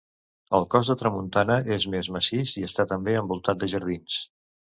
El cos de tramuntana és més massís i està també envoltat de jardins.